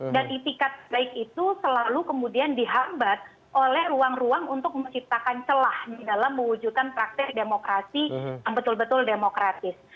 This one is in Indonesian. dan itikat baik itu selalu kemudian dihambat oleh ruang ruang untuk menciptakan celah dalam mewujudkan praktik demokrasi yang betul betul demokratis